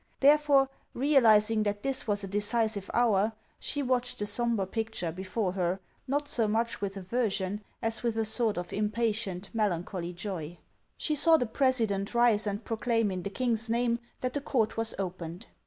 Therefore, realizing that this was a decisive hour, she watched the sombre picture before her, not so much with aversion as with a sort of impatient melancholy joy. 432 HANS OF ICELAND. .She saw the president rise and proclaim in the king's name that the court was opened.